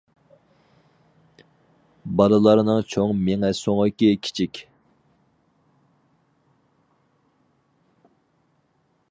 بالىلارنىڭ چوڭ مېڭە سۆڭىكى كىچىك.